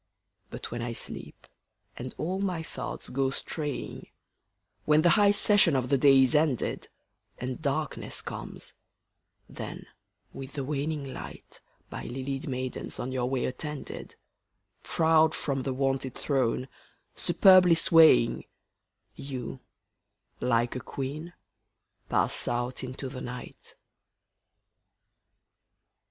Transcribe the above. But when I sleep, and all my thoughts go straying, When the high session of the day is ended, And darkness comes; then, with the waning light, By lilied maidens on your way attended, Proud from the wonted throne, superbly swaying, You, like a queen, pass out into the night.